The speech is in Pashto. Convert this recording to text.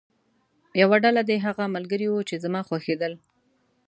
یوه ډله دې هغه ملګري وو چې زما خوښېدل.